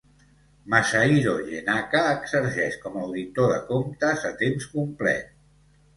Masahiro Gennaka exerceix com a auditor de comptes a temps complet.